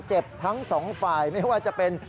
เจ็บทั้งสองฝ่ายไม่ว่าจะเป็น